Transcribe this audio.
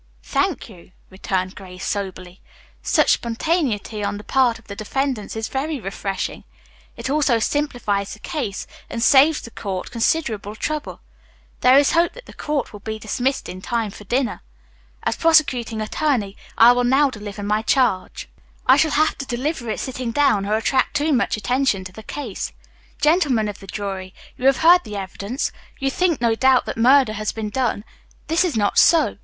"Thank you," returned Grace soberly. "Such spontaneity on the part of the defendants is very refreshing. It also simplifies the case and saves the court considerable trouble. There is hope that the court will be dismissed in time for dinner. As prosecuting attorney I will now deliver my charge. I shall have to deliver it sitting down or attract too much attention to the case. Gentlemen of the jury, you have heard the evidence. You think, no doubt, that murder has been done. This is not so.